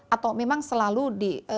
atau memang selalu di